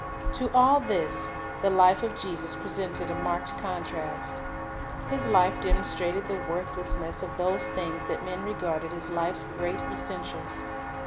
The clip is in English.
To all this the life of Jesus presented a marked contrast. His life demonstrated the worth lessness of those things that men regarded as life's great essentials.